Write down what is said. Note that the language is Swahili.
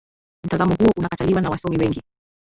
mtazamo huo unakataliwa na wasomi wengi